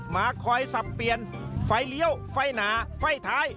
มาคอยสับเปลี่ยนไฟเลี้ยวไฟหนาไฟท้าย